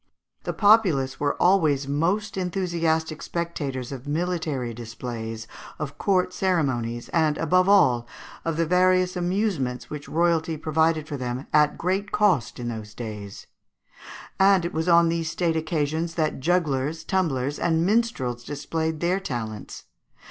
The populace were always most enthusiastic spectators of military displays, of court ceremonies, and, above all, of the various amusements which royalty provided for them at great cost in those days: and it was on these state occasions that jugglers, tumblers, and minstrels displayed their talents.